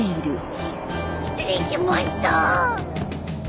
し失礼しました！